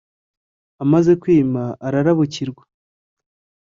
amaze kwima; ararabukirwa.